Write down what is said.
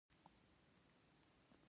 تر ټولو کوچنی هډوکی په غوږ کې دی.